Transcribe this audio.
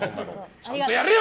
ちゃんとやれよ！